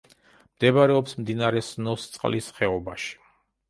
მდებარეობს მდინარე სნოსწყლის ხეობაში.